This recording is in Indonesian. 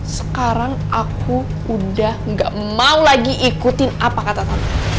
sekarang aku udah gak mau lagi ikutin apa kata tom